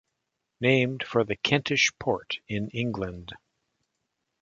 Named for the Kentish port in England.